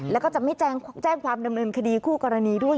แล้วก็จะไม่แจ้งความดำเนินคดีคู่กรณีด้วย